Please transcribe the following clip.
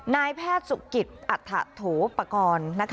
นายแพทย์สุกิตอัฐโถปกรณ์